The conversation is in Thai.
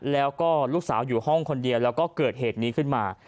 แล้วก็ลูกสาวอยู่ห้องคนเดียวแล้วก็เกิดเหตุนี้ขึ้นมา